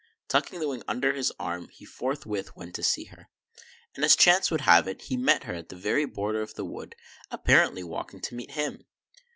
Tucking the wing under his arm, he forth with went to see her ; and, as chance would have it, he met her at the very border of the wood, apparently walking to meet him.